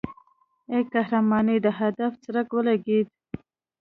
ای قهرمانې د هدف څرک ولګېد.